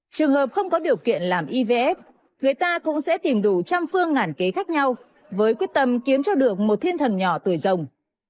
trường hợp không có điều kiện làm ivf người ta cũng sẽ tìm đủ trăm phương ngản kế khác nhau với quyết tâm kiếm cho được một thiên thần nhỏ tuổi rồng